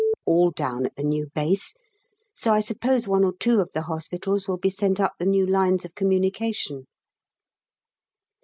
all down at the new base, so I suppose one or two of the hospitals will be sent up the new lines of communication.